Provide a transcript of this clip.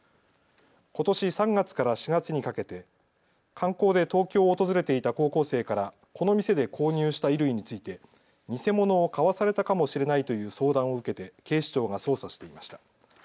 ことし３月から４月にかけて観光で東京を訪れていた高校生からこの店で購入した衣類について偽物を買わされたかもしれないという相談を受けて警視庁が捜査していました。